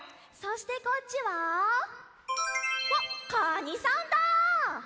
そしてこっちはわっカニさんだ！